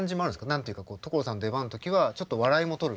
何て言うか所さんの出番の時はちょっと笑いも取るみたいな。